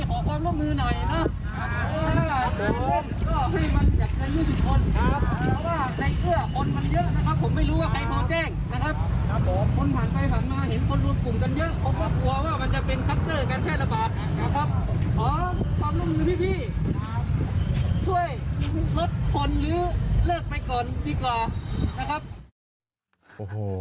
โอ้โห